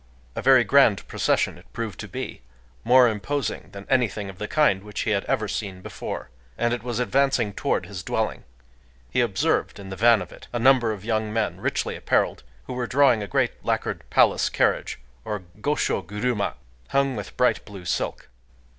A very grand procession it proved to be,—more imposing than anything of the kind which he had ever seen before; and it was advancing toward his dwelling. He observed in the van of it a number of young men richly appareled, who were drawing a great lacquered palace carriage, or gosho guruma, hung with bright blue silk.